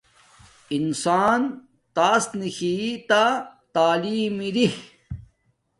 انسان تاس نکھی تا تعلیم اری